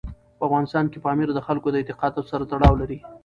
په افغانستان کې پامیر د خلکو د اعتقاداتو سره تړاو لري.